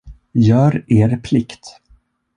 Gör er plikt.